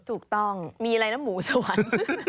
ถูกต้องมีอะไรนะหมูสวรรค์